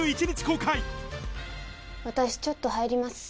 私ちょっと入ります。